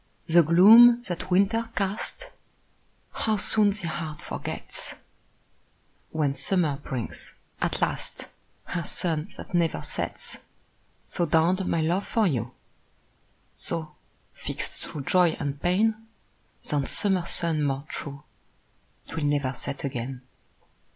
The gloom that winter cast, How soon the heart forgets, When summer brings, at last, Her sun that never sets! So dawned my love for you; So, fixt thro' joy and pain, Than summer sun more true, 'Twill never set again.